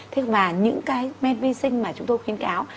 thế và những cái men vi sinh mà chúng tôi khuyên cáo